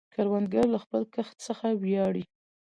کروندګر له خپل کښت څخه ویاړي